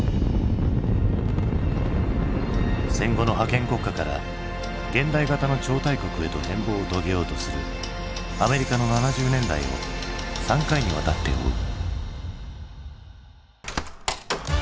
戦後の覇権国家から現代型の超大国へと変貌を遂げようとするアメリカの７０年代を３回にわたって追う。